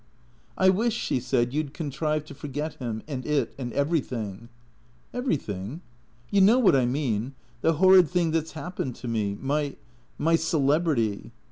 ''" I wish," she said, " you 'd contrive to forget him, and it, and everything." " Everything ?"" You know what I mean. The horrid thing that 's hap pened to me. My — my celebrity."